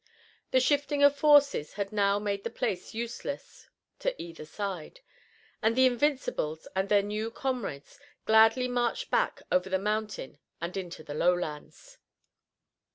The shifting of forces had now made the place useless to either side, and the Invincibles and their new comrades gladly marched back over the mountain and into the lowlands.